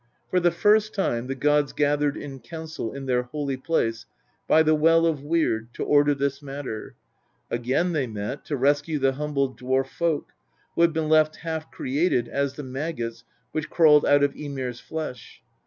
For the first time the gods gathered in council in their holy place by the Well of Weird to order this matter ; again they met to rescue the humble dwarf folk, who had been left half created as the maggots which crawled out of Ymir's flesh.